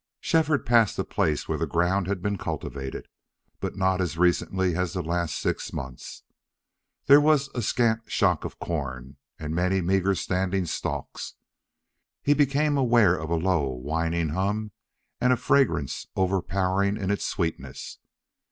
Shefford passed a place where the ground had been cultivated, but not as recently as the last six months. There was a scant shock of corn and many meager standing stalks. He became aware of a low, whining hum and a fragrance overpowering in its sweetness.